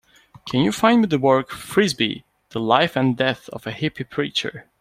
Can you find me the work, Frisbee: The Life and Death of a Hippie Preacher?